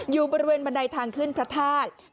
อยู่บริเวณบันไดทางขึ้นพระธาตุ